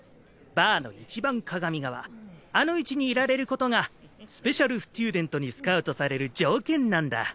バーのいちばん鏡側あの位置にいられることがスペシャルステューデントにスカウトされる条件なんだ。